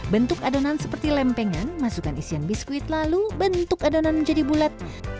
bentuk adonan seperti lempengan masukkan isian biskuit lalu bentuk adonan menjadi bulat